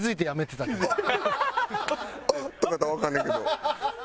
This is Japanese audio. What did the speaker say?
「あっ！」とかやったらわかんねんけど。